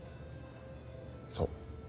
そう。